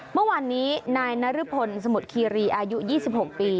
เมื่อวานนี้นายนรพลสมุทรคีรีอายุ๒๖ปี